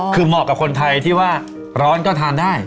คือเหมาะกับคนไทยที่ว่าร้อนก็ทานได้